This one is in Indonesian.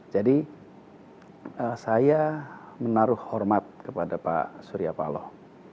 jadi saya menaruh hormat kepada pak surya paloh